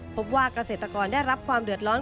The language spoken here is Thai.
พบว่ากระเสร็จตะกรอดได้รับความเดือดล้อน